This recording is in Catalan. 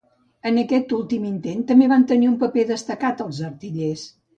En aquest últim intent també van tenir un paper destacat els artillers.